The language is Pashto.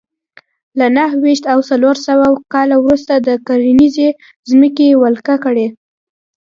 له نهه ویشت او څلور سوه کال وروسته د کرنیزې ځمکې ولکه کړې